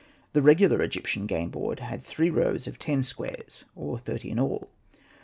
The regular Egyptian game board had three rows of ten squares, or thirty in all.